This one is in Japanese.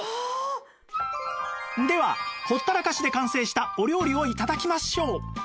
ではほったらかしで完成したお料理を頂きましょう